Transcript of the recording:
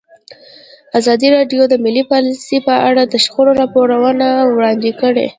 ازادي راډیو د مالي پالیسي په اړه د شخړو راپورونه وړاندې کړي.